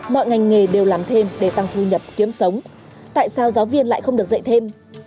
mọi ngành nghề đều làm thêm để tăng thu nhập kiếm sống tại sao giáo viên lại không được dạy thêm